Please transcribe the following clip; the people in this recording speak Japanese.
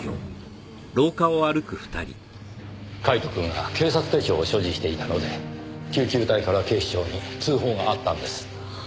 カイトくんが警察手帳を所持していたので救急隊から警視庁に通報があったんです。